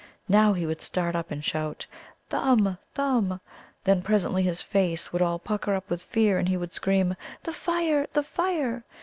Now he would start up and shout, "Thumb, Thumb!" then presently his face would all pucker up with fear, and he would scream, "The fire, the fire!"